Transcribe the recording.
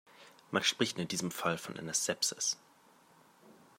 Man spricht in diesem Fall von einer Sepsis.